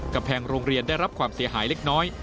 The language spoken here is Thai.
กำแพงโรงเรียนได้รับความเสียหายเล็กน้อย